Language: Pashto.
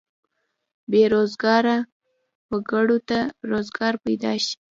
بې روزګاره وګړو ته روزګار پیدا شي.